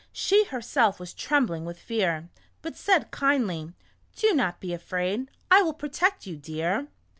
She herself was trembling with fear, but said kindly, " Do not be afraid, I will protect you, dear."